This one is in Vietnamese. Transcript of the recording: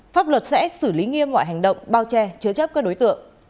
pháp luật sẽ xử lý nghiêm mọi hành động bao che chứa chấp các đối tượng